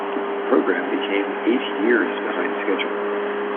The programme became eight years behind schedule.